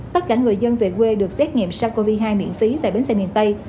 tất cả người dân về quê được xét nghiệm sars cov hai miễn phí tại bến xe miền tây